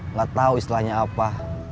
nggak tahu istilahnya apa